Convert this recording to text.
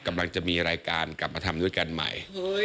กำลังจะมีรายการกลับมาทำด้วยกันใหม่